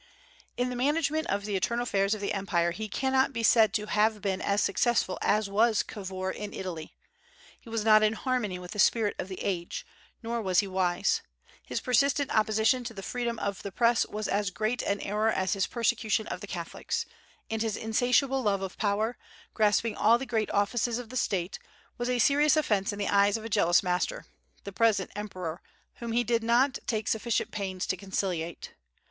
In the management of the internal affairs of the empire he cannot be said to have been as successful as was Cavour in Italy. He was not in harmony with the spirit of the age, nor was he wise. His persistent opposition to the freedom of the Press was as great an error as his persecution of the Catholics; and his insatiable love of power, grasping all the great offices of State, was a serious offence in the eyes of a jealous master, the present emperor, whom he did not take sufficient pains to conciliate.